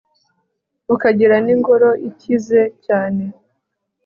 ukagira n'ingoro ikize cyane